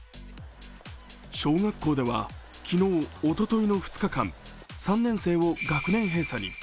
小学校では、昨日おとといの２日間３年生を学年閉鎖に。